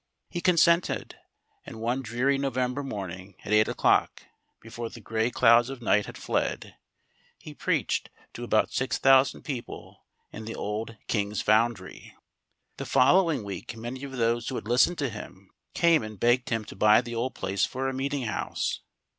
He consented, and one dreary November morning at eight o'clock, before the grey clouds of night had fled, he preached to about six thousand people in the old King's Foundry. The following week many of those who had listened to him, came and begged him to buy the old place for a meeting house.